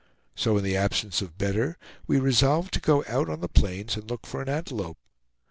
So, in the absence of better, we resolved to go out on the plains and look for an antelope.